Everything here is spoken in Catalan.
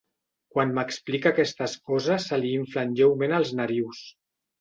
Quan m'explica aquestes coses se li inflen lleument els narius.